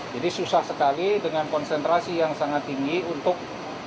jadi susah sekali dengan konsentrasi yang sangat tinggi untuk